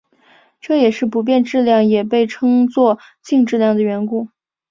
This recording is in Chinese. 这也是不变质量也被称作静质量的缘故。